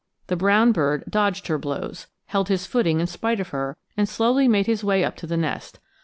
The brown bird dodged her blows, held his footing in spite of her, and slowly made his way up to the nest.